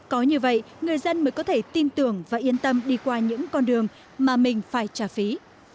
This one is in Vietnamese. có như vậy người dân mới có thể tin tưởng và yên tâm đi qua những con đường mà mình phải trả phí